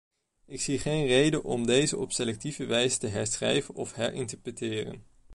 Ik zie geen reden om deze op selectieve wijze te herschrijven of herinterpreteren.